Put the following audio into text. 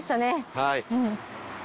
はい。